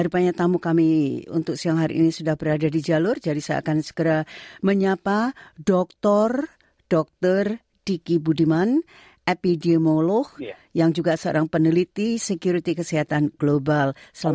dokter digi budiman epidemiolog dari bandung peneliti sekuriti kesehatan global